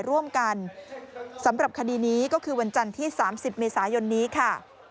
ร่วมกันสำหรับคดีนี้ก็คือวันจันทร์ที่๓๐เมษายนนี้ค่ะ